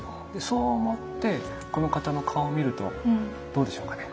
そう思ってこの方の顔を見るとどうでしょうかね？